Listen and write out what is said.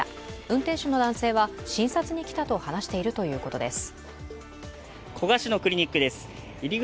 運転手の男性は、診察に来たと話しているということです。